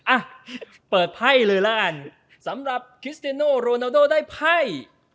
อ่ะเปิดไพ่เลยแล้วกันสำหรับโรนาโดได้ไพ่